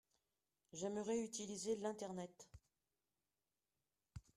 J'aimerais utiliser l'Internet.